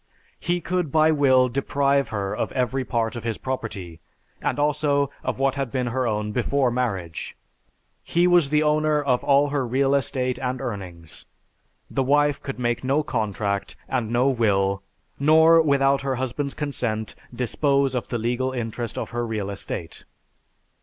He could by will deprive her of every part of his property, and also of what had been her own before marriage. He was the owner of all her real estate and earnings. The wife could make no contract and no will, nor, without her husband's consent, dispose of the legal interest of her real estate....